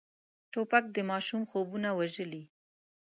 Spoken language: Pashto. توپک د ماشوم خوبونه وژلي.